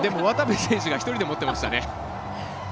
渡部選手が１人で持っていましたね。